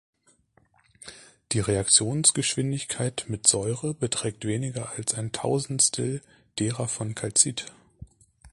Die Reaktionsgeschwindigkeit mit Säure beträgt weniger als ein Tausendstel derer von Calcit.